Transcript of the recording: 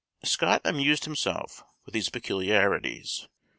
Scott amused himself with these peculiarities.